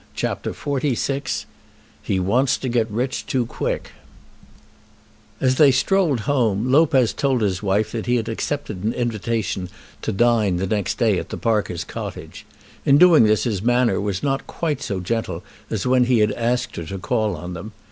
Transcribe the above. CHAPTER XLVI "He Wants to Get Rich Too Quick" As they strolled home Lopez told his wife that he had accepted an invitation to dine the next day at the Parkers' cottage. In doing this his manner was not quite so gentle as when he had asked her to call on them.